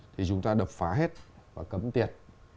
thì chúng ta đập phá hết và cấm tiệt